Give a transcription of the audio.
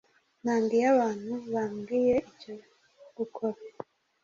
Nanga iyo abantu bambwiye icyo gukora